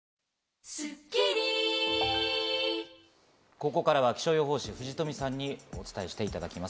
ここからは気象予報士・藤富さんにお伝えしていただきます。